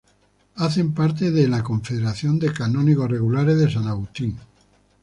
Hacen parte de la Confederación de Canónigos Regulares de San Agustín.